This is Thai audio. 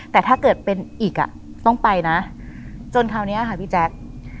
แต่ถ้าเกิดเป็นอีกอ่ะต้องไปนะจนคราวนี้ค่ะพี่แจ๊ค